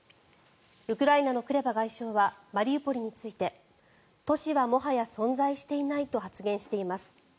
ウクライナのクレバ外相はマリウポリについて都市はもはや存在していないと発言しています。